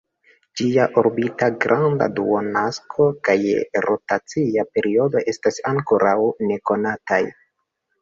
Ĝiaj orbita granda duonakso kaj rotacia periodo estas ankoraŭ nekonataj.